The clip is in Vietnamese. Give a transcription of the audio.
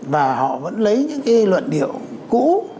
và họ vẫn lấy những cái luận điệu cũ